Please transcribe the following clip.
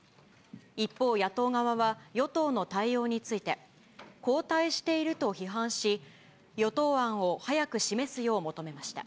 一方、野党側は与党の対応について、後退していると批判し、与党案を早く示すよう求めました。